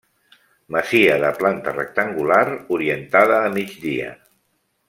Masia de planta rectangular orientada a migdia.